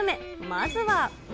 まずは。